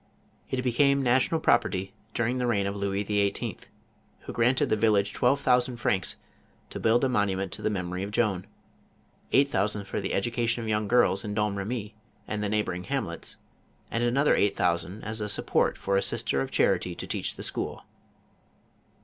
It became national property during the reign of Louis XVIII., who granted the village twelve thousand francs to build a monument to the memory of Joan, eight thousand for the education of young girls in Dom Remy and the neighboring hamlets, and another eight thousand as a support for a sister of charity to teach the school."